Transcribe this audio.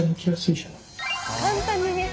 簡単にね。